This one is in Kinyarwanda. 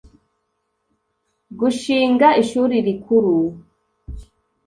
gushinga Ishuri Rikuru